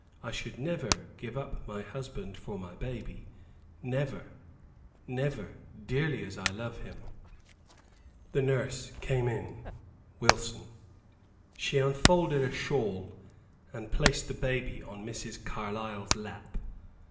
I should never give up my husband for my baby; never, never, dearly as I love him." The nurse came in Wilson. She unfolded a shawl, and placed the baby on Mrs. Carlyle's lap.